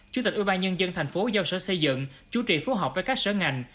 chủ tịch ủy ban nhân dân tp hcm giao sở xây dựng chủ trị phố học với các sở ngành